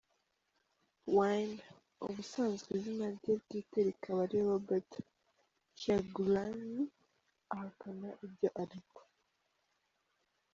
Wine - ubusanzwe izina rye bwite rikaba ari Robert Kyagulanyi - ahakana ibyo aregwa.